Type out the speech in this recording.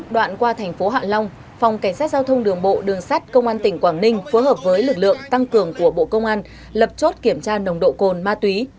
đoạn qua thành phố hạ long phòng cảnh sát giao thông đường bộ đường sát công an tỉnh quảng ninh phối hợp với lực lượng tăng cường của bộ công an lập chốt kiểm tra nồng độ cồn ma túy